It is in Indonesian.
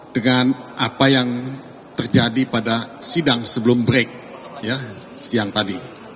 dengan apa yang terjadi pada sidang sebelum break siang tadi